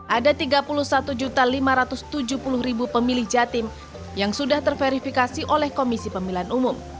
ada tiga puluh satu lima ratus tujuh puluh pemilih jatim yang sudah terverifikasi oleh komisi pemilihan umum